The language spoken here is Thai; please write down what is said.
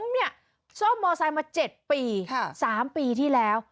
เนี่ยซ่อมมอไซค์มา๗ปี๓ปีที่แล้ว